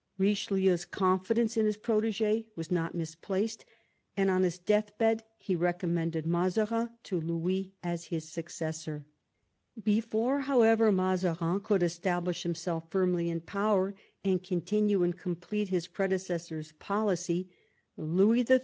Richelieu's confidence in his protege was not misplaced, and on his death bed he recommended Mazarin to Louis as his successor. Before, however, Mazarin could establish himself firmly in power, and continue and complete his pre decessor's policy, Louis XIII.